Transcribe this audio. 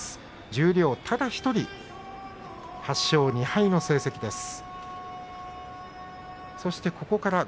十両ただ１人８勝２敗の成績です。